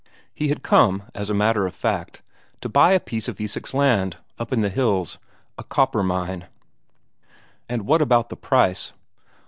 He had come, as a matter of fact, to buy a piece of Isak's land, up in the hills a copper mine. And what about the price?